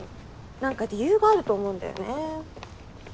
何か理由があると思うんだよね。